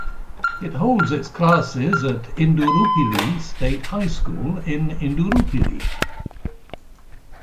It holds its classes at Indooroopilly State High School in Indooroopilly.